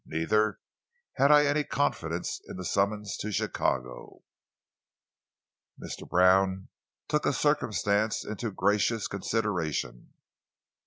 Neither had I any confidence in the summons to Chicago." Mr. Brown took the circumstance into gracious consideration.